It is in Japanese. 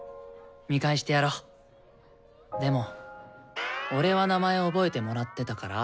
でも俺は名前覚えてもらってたから。